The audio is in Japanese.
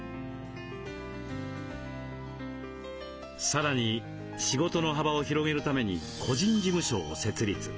さらに仕事の幅を広げるために個人事務所を設立。